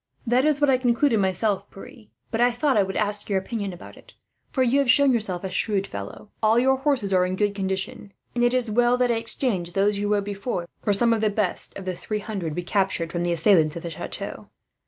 "That is what I concluded myself, Pierre; but I thought I would ask your opinion about it, for you have shown yourself a shrewd fellow. "All your horses are in good condition, and it is well that I exchanged those you rode before, for some of the best of the three hundred we captured from the assailants of the chateau.